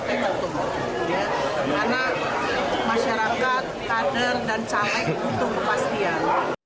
karena masyarakat kader dan caleg untuk mempastikan